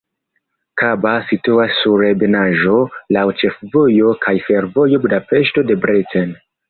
Kaba situas sur ebenaĵo, laŭ ĉefvojo kaj fervojo Budapeŝto-Debrecen.